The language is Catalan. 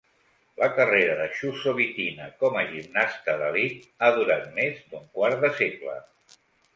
La carrera de Chusovitina com a gimnasta d'elit ha durat més d'un quart de segle.